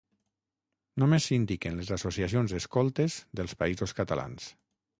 Només s'indiquen les associacions escoltes dels Països Catalans.